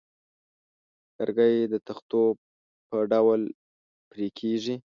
لرګی د تختو په ډول پرې کېږي.